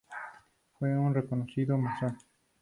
Fue un reconocido masón.